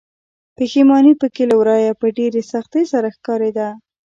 پښيماني پکې له ورايه په ډېرې سختۍ سره ښکاريده.